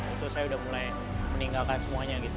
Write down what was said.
itu saya udah mulai meninggalkan semuanya gitu